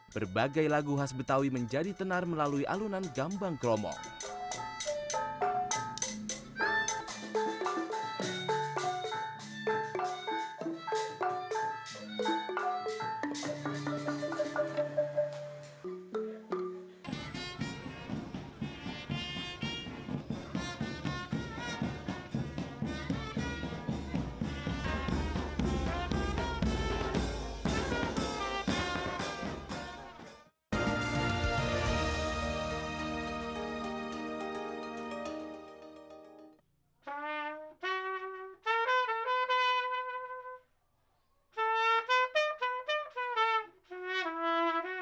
berbagai lagu khas betawi menjadi tenar melalui alunan gambang kromong